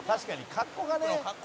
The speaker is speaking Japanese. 格好がね」